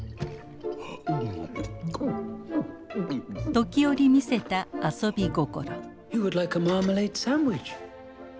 時折見せた遊び心。